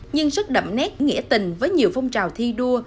nhưng rất đậm nét nghĩa tình với nhiều phong trào thi đua